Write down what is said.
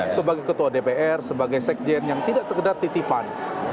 sebagai ketua dpr sebagai sekjen yang tidak sekedar titipan